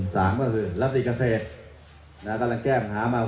สามก็คือรัฐฤกชเศกต้านล่างแก้มหามา